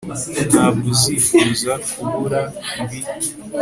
ntabwo uzifuza kubura ibi